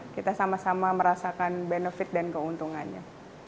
kita sama sama merasakan benefit dan keuntungannya